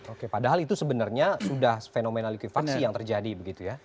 oke padahal itu sebenarnya sudah fenomena likuifaksi yang terjadi begitu ya